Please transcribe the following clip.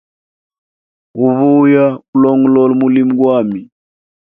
Uvuya ulongolola mulimo gwami.